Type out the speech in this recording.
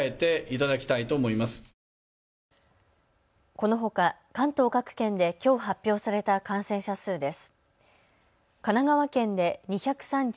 このほか、関東各県できょう発表された感染者数です。